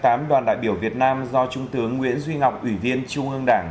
đoàn đại biểu việt nam do trung tướng nguyễn duy ngọc ủy viên trung ương đảng